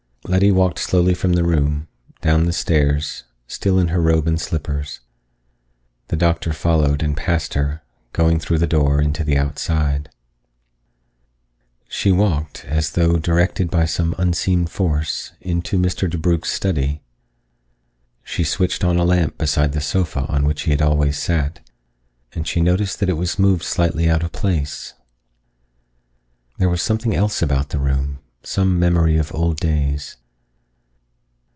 Letty walked slowly from the room, down the stairs, still in her robe and slippers. The doctor followed and passed her, going through the door into the outside. She walked, as though directed by some unseen force, into Mr. DeBrugh's study. She switched on a lamp beside the sofa on which he had always sat; and she noticed that it was moved slightly out of place. There was something else about the room, some memory of old days.